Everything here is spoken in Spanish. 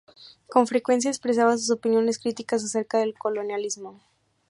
Con frecuencia expresaba sus opiniones críticas acerca del colonialismo.